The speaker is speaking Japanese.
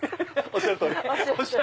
おっしゃる通り。